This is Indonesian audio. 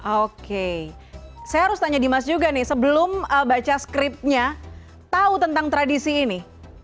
oke saya harus tanya di mas juga nih sebelum baca skripnya tahu tentang tradisi ini